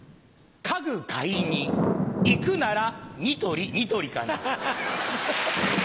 家具買いに行くならニトリニトリかな。